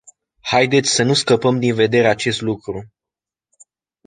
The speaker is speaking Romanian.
Haideți să nu scăpăm din vedere acest lucru.